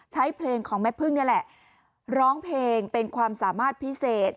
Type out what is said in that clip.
ใช้เพลงของแม่พึ่งนี่แหละร้องเพลงเป็นความสามารถพิเศษ